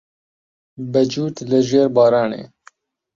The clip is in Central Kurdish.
بە جووت لە ژێر بارانێ